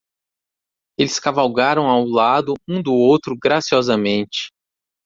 Eles cavalgaram ao lado um do outro graciosamente.